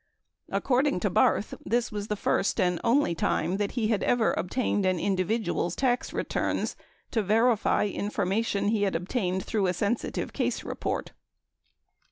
According to Barth, this was the first and only time that he had ever obtained an individual's tax returns to verify information he obtained through a sensitive case report.